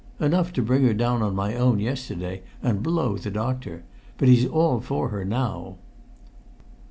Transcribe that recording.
"Enough to bring her down on my own yesterday, and blow the doctor! But he's all for her now."